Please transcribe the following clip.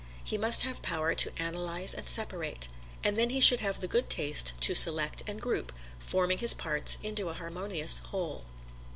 He must have power to analyze and separate, and then he should have the good taste to select and group, forming his parts into a harmonious whole.